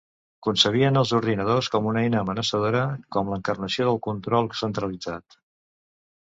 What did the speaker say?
Concebien els ordinadors com una eina amenaçadora, com l’encarnació del control centralitzat.